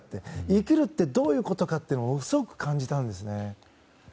生きるってどういうことかすごく感じたんですね。